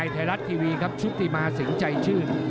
ไทยรัฐทีวีครับชุติมาสินใจชื่น